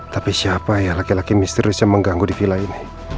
tapi siapa ya laki laki misterius yang mengganggu di vila ini